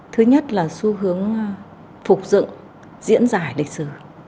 thứ nhất là xu hướng phục dựng diễn giải lịch sử